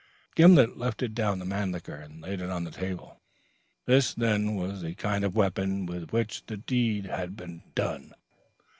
Gimblet lifted down the Mannlicher and laid it on the table. This, then, was the kind of weapon with which the deed had been done.